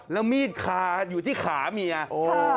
แล้วมีดคาอยู่ที่ขาเมียโอ้